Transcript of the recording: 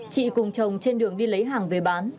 chị cùng chồng trên đường đi lấy hàng về bán